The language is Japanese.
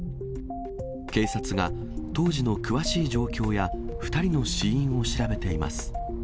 警察が当時の詳しい状況や２人の死因を調べています。